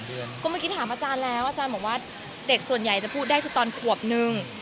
ก็เมื่อกี้ถามอาจารย์แล้วอาจารย์บอกว่าเด็กส่วนใหญ่จะพูดได้คือตอนขวบนึง